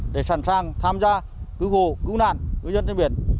để sẵn sàng tham gia cứu hộ cứu nạn ngư dân trên biển